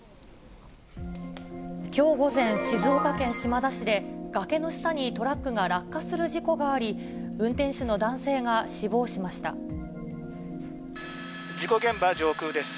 きょう午前、静岡県島田市で、崖の下にトラックが落下する事故があり、運転手の男性が死亡しま事故現場上空です。